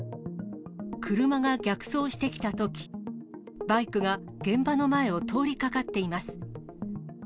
車が逆走してきたとき、バイクが現場の前を通りかかっています。